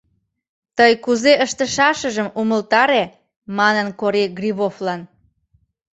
— Тый кузе ыштышашыжым умылтаре, — манын Кори Гривовлан.